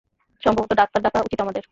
সম্ভবত, ডাক্তার ডাকা উচিৎ আমাদের।